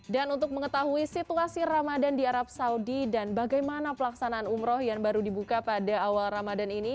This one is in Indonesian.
dan untuk mengetahui situasi ramadan di arab saudi dan bagaimana pelaksanaan umroh yang baru dibuka pada awal ramadan ini